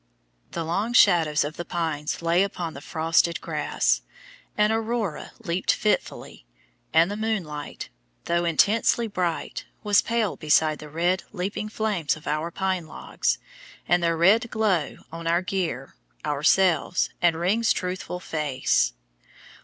The long shadows of the pines lay upon the frosted grass, an aurora leaped fitfully, and the moonlight, though intensely bright, was pale beside the red, leaping flames of our pine logs and their red glow on our gear, ourselves, and Ring's truthful face.